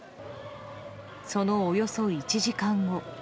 そのおよそ１時間後。